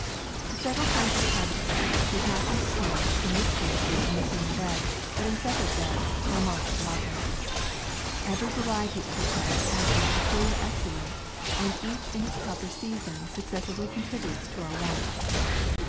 The several kinds of cabbage seed should not be sown promiscuously in the same bed ; but in separate beds, or marked allotments. Every variety of the cabbage has its pecu liar excellence, and each in its proper season successively contributes to our wants.